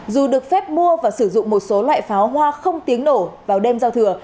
dù được phép mua và sử dụng một số loại pháo hoa không tiếng nổ vào đêm giao thừa